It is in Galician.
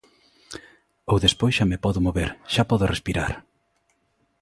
Ou despois xa me podo mover, xa podo respirar.